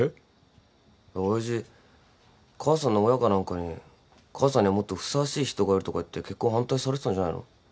親父母さんの親か何かに母さんにはもっとふさわしい人がいるとかいって結婚反対されてたんじゃないの？